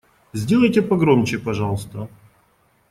Сделайте погромче, пожалуйста.